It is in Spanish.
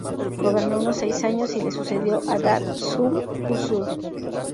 Gobernó unos seis años y le sucedió Adad-shum-usur.